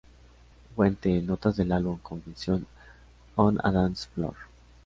Fuente: notas del álbum "Confessions on a Dance Floor".